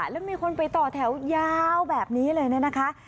แล้วมีคนไปต่อแถวยาวแบบนี้เลยเนี่ยนะคะ